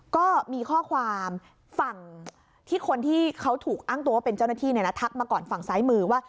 ก็มีข้อความฝั่งที่คนที่เขาถูกอ้างตัวว่าเป็นเจ้าหน้าที่ทักมาก่อนฝั่งซ้ายมือว่า